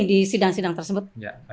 di sidang sidang tersebut